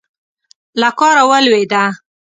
له کاره ولوېده.